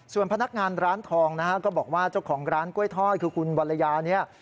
ส่วนพนักงานร้านทองนะฮะก็บอกว่าเจ้าของร้านกล้วยทอดคือคุณวัลยาเนี่ย